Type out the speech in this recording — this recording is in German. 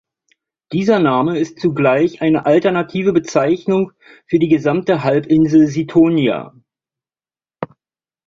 Dieser Name ist zugleich eine alternative Bezeichnung für die gesamte Halbinsel Sithonia.